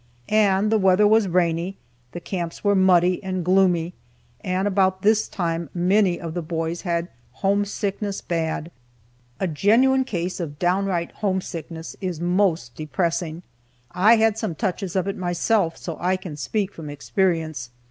And the weather was rainy, the camps were muddy and gloomy, and about this time many of the boys had home sickness bad. A genuine case of downright home sickness is most depressing. I had some touches of it myself, so I can speak from experience.